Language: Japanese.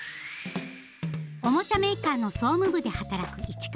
おもちゃメーカーの総務部で働く市川さん。